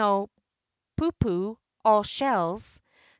pupu (all shells).